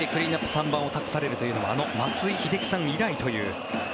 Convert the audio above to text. ３番を託されるというのはあの松井秀喜さん以来という。